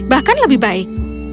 bahkan lebih baik